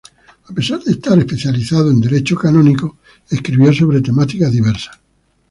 A pesar de estar especializado en derecho canónico, escribió sobre temáticas diversas.